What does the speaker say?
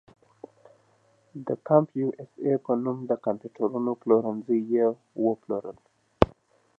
د کمپ یو اس اې په نوم د کمپیوټرونو پلورنځي یې وپېرل.